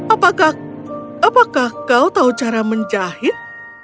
apakah apakah kau tahu cara menjahit